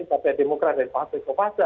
kemudian partai demokrat dari pasa ke pasa